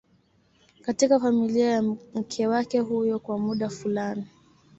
katika familia ya mke wake huyo kwa muda fulani